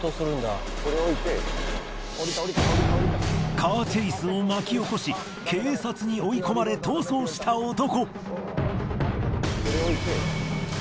カーチェイスを巻き起こし警察に追い込まれ逃走した男。